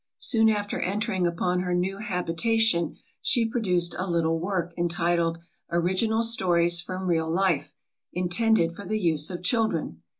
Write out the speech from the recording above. Soon after entering upon her new habitation, she produced a little work, entitled, Original Stories from Real Life, intended for the use of children.